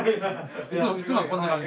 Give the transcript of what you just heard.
いつもこんな感じ。